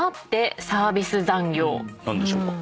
何でしょうか？